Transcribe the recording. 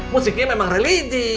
musiknya memang religi